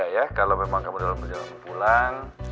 ya kalau memang kamu dalam perjalanan pulang